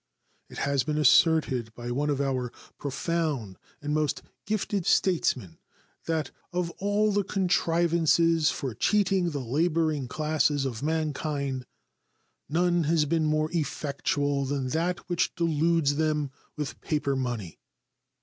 It has been asserted by one of our profound and most gifted statesmen that Of all the contrivances for cheating the laboring classes of mankind, none has been more effectual than that which deludes them with paper money.